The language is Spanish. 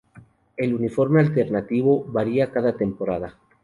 El uniforme alternativo varía cada temporada.